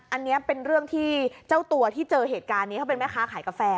อันนี้เป็นเรื่องที่เจ้าตัวที่เจอเหตุการณ์นี้เขาเป็นแม่ค้าขายกาแฟ